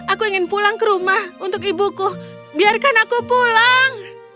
aku ingin pulang ke rumah untuk ibuku biarkan aku pulang